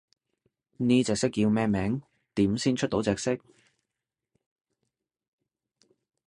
呢隻色叫咩名？點先出到隻色？